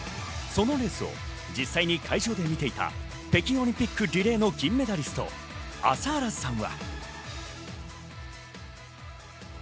そのレースを実際に会場で見ていた北京オリンピック、リレーの銀メダリスト・朝原さんは。